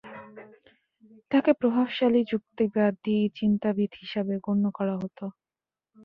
তাকে প্রভাবশালী যুক্তিবাদী চিন্তাবিদ হিসাবে গন্য করা হতো।